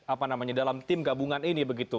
apa namanya dalam tim gabungan ini begitu